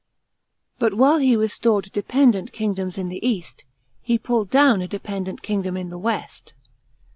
But while he restored dependent kingdoms in the east, he pulled down a de| e dent kingdom in the west.